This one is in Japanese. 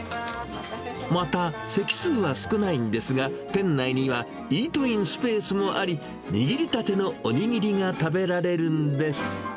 また、席数は少ないんですが、店内にはイートインスペースもあり、握りたてのおにぎりが食べられるんです。